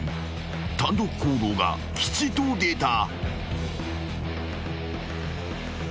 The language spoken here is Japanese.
［単独行動が吉と出た］